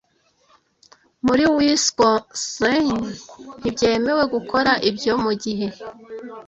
Muri Wisconsin ntibyemewe gukora ibyo mugihe